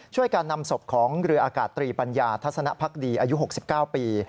การนำศพของเรืออากาศตรีปัญญาทัศนภักดีอายุ๖๙ปี